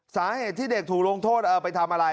สาเหตุที่เด็กถูกลงโทษเอาไปทำอะไร